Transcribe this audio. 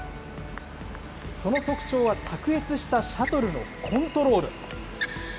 その特徴は卓越したシャトルのコントロール。